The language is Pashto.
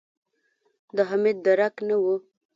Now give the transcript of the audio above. د حميد درک نه و.